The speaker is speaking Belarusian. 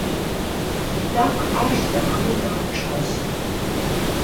І так аж да гэтага часу.